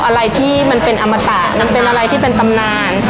อะไรที่มันเป็นอมตะมันเป็นอะไรที่เป็นตำนาน